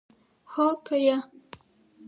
هو که یا ؟